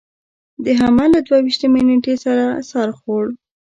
د حمل له دوه ویشتمې نېټې سره سر خوړ.